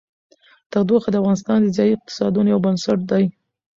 تودوخه د افغانستان د ځایي اقتصادونو یو بنسټ دی.